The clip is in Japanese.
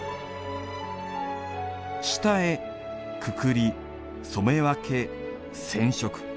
下絵、くくり、染め分け、染色。